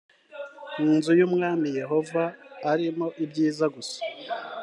mu nzu y’umwami yehova arimo ibyiza gusa